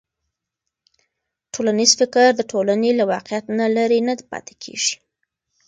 ټولنیز فکر د ټولنې له واقعیت نه لرې نه پاتې کېږي.